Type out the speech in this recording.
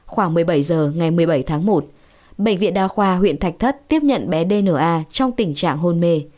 khoảng một mươi bảy h ngày một mươi bảy tháng một bệnh viện đa khoa huyện thạch thất tiếp nhận bé dna trong tình trạng hôn mê